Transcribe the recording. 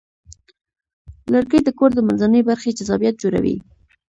لرګی د کور د منځنۍ برخې جذابیت جوړوي.